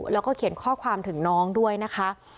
แล้วก็เขียนข้อความถึงน้องด้วยนะคะ